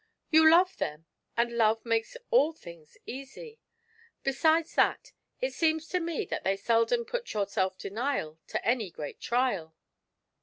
"You love them, and love makes all things easy; be sides that, it seems to me that they seldom put your aelf denial to any great trial.